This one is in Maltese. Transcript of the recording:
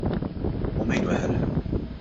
U min weħel?